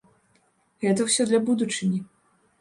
Гэта ўсё для будучыні.